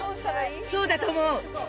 そうだと思う。